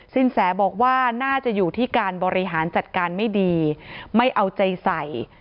สินแสบอกว่าน่าจะอยู่ที่การบริหารจัดการไม่ดีไม่เอาใจใส่